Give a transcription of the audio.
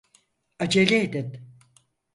Acele edin.